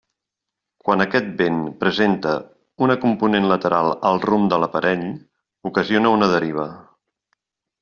Quan aquest vent presenta una component lateral al rumb de l'aparell, ocasiona una deriva.